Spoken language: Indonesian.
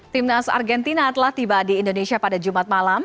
timnas argentina telah tiba di indonesia pada jumat malam